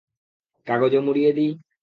কাগজে মুড়িয়ে দিই?